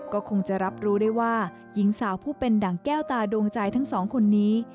ก็คงจะรับรู้ได้ว่าหญิงสาวผู้เป็นดั่งแก้วตาดวงใจทั้งสองคนนี้